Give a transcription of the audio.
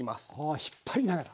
あ引っ張りながら。